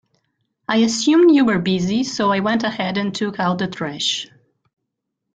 I assumed you were busy, so I went ahead and took out the trash.